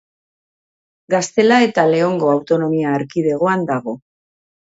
Gaztela eta Leongo autonomia erkidegoan dago.